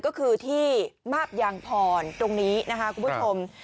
ก็คือที่มาบยางพรตรงนี้นะคะคุณผู้ชม